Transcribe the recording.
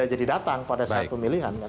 jadi datang pada saat pemilihan